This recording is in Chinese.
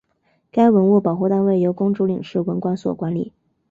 该文物保护单位由公主岭市文管所管理。